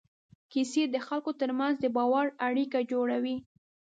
کیسې د خلکو تر منځ د باور اړیکه جوړوي.